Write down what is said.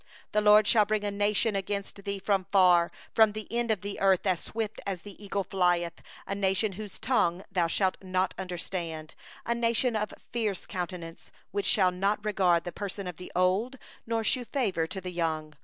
49The LORD will bring a nation against thee from far, from the end of the earth, as the vulture swoopeth down; a nation whose tongue thou shalt not understand; 50a nation of fierce countenance, that shall not regard the person of the old, nor show favour to the young.